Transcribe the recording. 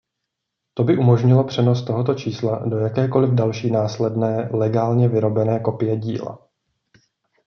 To by umožnilo přenos tohoto čísla do jakékoliv další následné legálně vyrobené kopie díla.